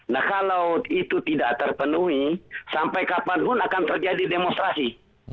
nah kalau itu tidak terpenuhi sampai kapanpun akan terjadi demonstrasi